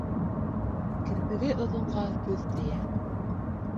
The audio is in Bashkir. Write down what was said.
Керпеге оҙонға күҙ тейә.